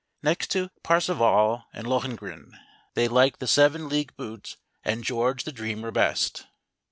Next to Parzival and Lohengrin, they liked the Seven League Bools and George the Dreamer best.